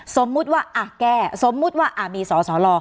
สมมุติว่าแก้สมมุติว่ามีสอสอรอ